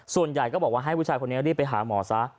ส่วนใหญ่ก็บอกว่าให้ผู้ชายคนนี้รีบไปหาหมอซะ